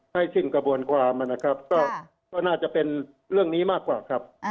ให้สิ้นกระบวนความนะครับก็น่าจะเป็นเรื่องนี้มากกว่าครับ